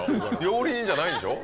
料理人じゃないんでしょ？